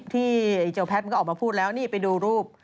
ที่เจ้าแพทย์มันก็ออกมาพูดแล้วนี่ไปดูรูป